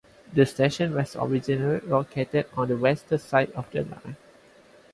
The station was originally located on the western side of the line.